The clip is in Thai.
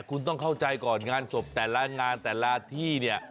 คุณต้องเข้าใจก่อนงานศพแต่ละงานแต่ละที่เนี่ย